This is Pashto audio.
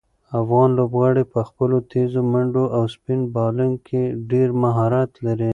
افغان لوبغاړي په خپلو تېزو منډو او سپین بالنګ کې ډېر مهارت لري.